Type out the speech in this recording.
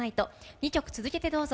２曲続けて、どうぞ。